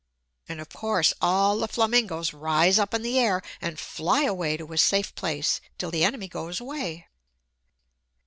And of course all the flamingos rise up in the air and fly away to a safe place, till the enemy goes away.